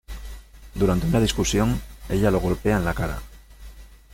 Durante una discusión, ella lo golpea en la cara.